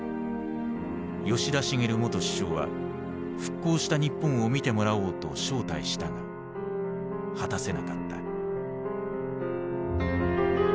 吉田茂元首相は復興した日本を見てもらおうと招待したが果たせなかった。